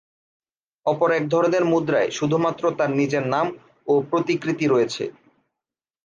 অপর এক ধরনের মুদ্রায় শুধুমাত্র তার নিজের নাম ও প্রতিকৃতি রয়েছে।